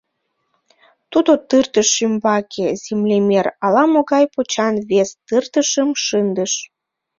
Тудо тыртыш ӱмбаке землемер ала-могай пучан вес тыртышым шындыш.